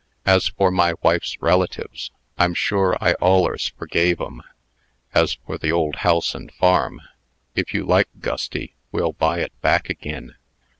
"As for my wife's relatives, I'm sure I allers forgave 'em. As for the old house and farm, if you like, Gusty, we'll buy it back agin."